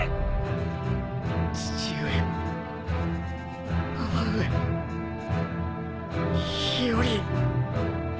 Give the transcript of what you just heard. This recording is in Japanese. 父上母上日和。